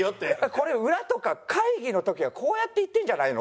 これ裏とか会議の時はこうやって言ってんじゃないの？